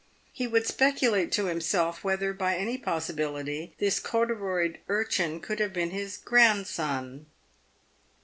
He would speculate to himself whether, by any possibility, this corduroyed urchin could have been his grandson.